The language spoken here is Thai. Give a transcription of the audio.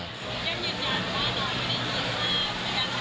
ยังยืนยันยันยีนยันยีน